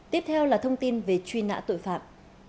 tiếp theo là thông tin về truy nã tội phạm